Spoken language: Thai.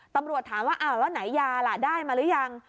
ตำรวจถามว่าอ้าวแล้วไหนยาล่ะได้มาหรือยัง